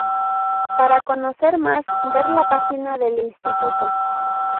Para conocer más, ver la página del instituto.